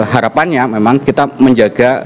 harapannya memang kita menjaga